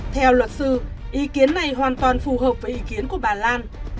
theo luật sư ý kiến này hoàn toàn phù hợp với ý kiến của bà lan